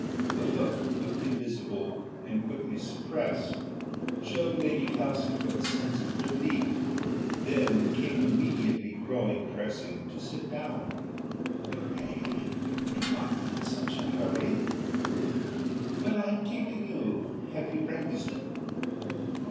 A look quickly visible, and quickly suppressed, showed Lady Castlefort's sense of relief; then came immediately greater pressing to sit down, "Pray do not be in such a hurry. "But I am keeping you; have you breakfasted?"